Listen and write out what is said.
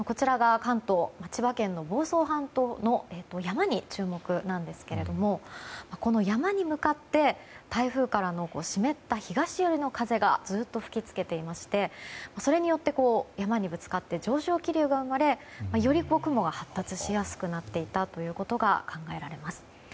千葉県の房総半島の山に注目なんですけどもこの山に向かって台風からの湿った東寄りの風がずっと吹き付けていましてそれによって山にぶつかって上昇気流が生まれより雲が発達しやすくなっていたということが考えられます。